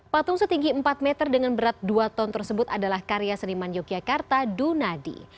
patung setinggi empat meter dengan berat dua ton tersebut adalah karya seniman yogyakarta dunadi